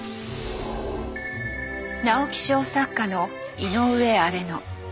直木賞作家の井上荒野。